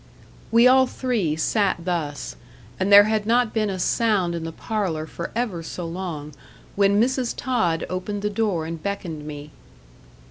We all three sat thus, and there had not been a sound in the parlour for ever so long, when Mrs. Tod opened the door and beckoned me.